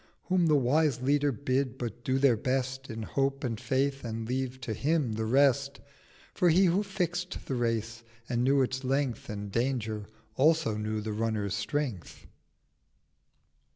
Whom the wise Leader bid but Do their Best In Hope and Faith, and leave to Him the rest, For He who fix'd the Race, and knew its Length And Danger, also knew the Runner's Strength.